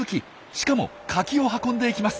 しかもカキを運んでいきます！